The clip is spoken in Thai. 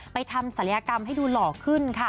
ทำศัลยกรรมให้ดูหล่อขึ้นค่ะ